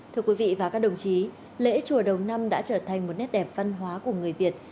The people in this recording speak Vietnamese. thưa quý vị và các đồng chí lễ chùa đầu năm đã trở thành một nét đẹp văn hóa của người việt